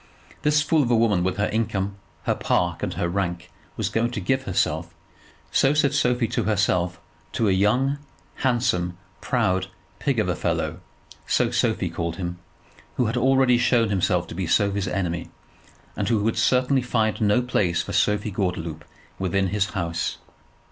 This fool of a woman with her income, her park, and her rank, was going to give herself, so said Sophie to herself, to a young, handsome, proud pig of a fellow, so Sophie called him, who had already shown himself to be Sophie's enemy, and who would certainly find no place for Sophie Gordeloup within his house.